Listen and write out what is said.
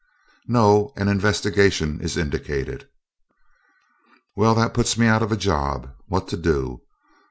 "No, an investigation is indicated." "Well, that puts me out of a job. What to do?